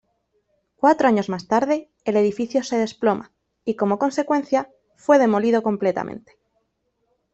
Cuatro años más tarde, el edificio se desploma, y como consecuencia, fue demolido completamente.